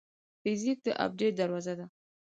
فزیک د ابدیت دروازه ده.